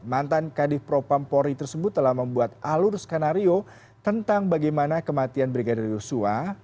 mantan kadif propam pori tersebut telah membuat alur skenario tentang bagaimana kematian brigada dosua